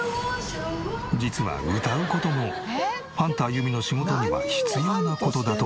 実は歌う事もハンターゆみの仕事には必要な事だという。